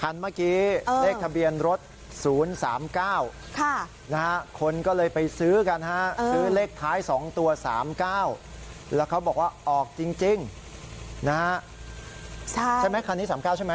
คันเมื่อกี้เลขทะเบียนรถศูนย์สามเก้าค่ะคนก็เลยไปซื้อกันฮะซื้อเลขท้ายสองตัวสามเก้าแล้วเขาบอกว่าออกจริงจริงนะฮะใช่ไหมคันนี้สามเก้าใช่ไหม